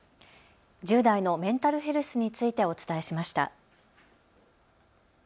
１０代のメンタルヘルスについてお伝えしました。